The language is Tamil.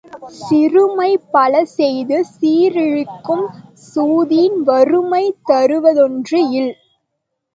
சிறுமை பலசெய்து சீரழிக்கும் சூதின் வறுமை தருவதொன்று இல்.